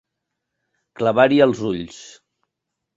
Clavar-hi els ulls.